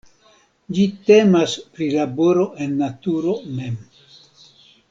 Ĝi temas pri laboro en naturo mem.